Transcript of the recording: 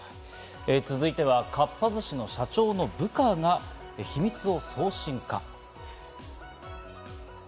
続いては、かっぱ寿司の社長の部下が秘密を送信か。